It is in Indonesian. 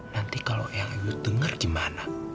nanti kalo yang ayah denger gimana